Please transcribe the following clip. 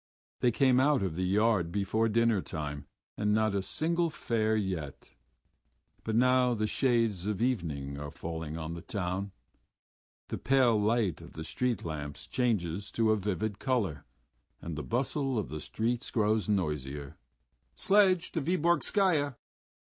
They came out of the yard before dinnertime and not a single fare yet. But now the shades of evening are falling on the town. The pale light of the street lamps changes to a vivid color, and the bustle of the street grows noisier. "Sledge to Vyborgskaya!"